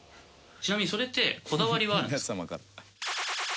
ちなみにそれってこだわりはあるんですか？